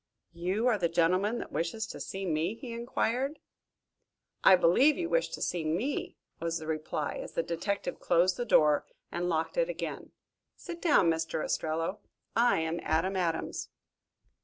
"You are the gentleman that wishes to see me?" he inquired. "I believe you wish to see me," was the reply, as the detective closed the door and locked it again. "Sit down, Mr. Ostrello. I am Adam Adams."